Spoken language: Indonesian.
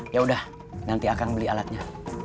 yaudah nanti akan beli alatnya